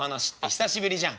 久しぶりじゃん」。